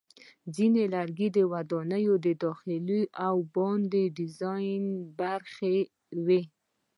ځینې لرګي د ودانیو د داخلي او باندني ډیزاین برخه وي.